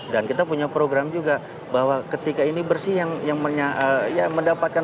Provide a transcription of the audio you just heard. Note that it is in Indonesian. dan kita punya program juga bahwa ketika ini bersih yang mendapatkan